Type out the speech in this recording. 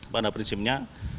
tapi memang pada prinsipnya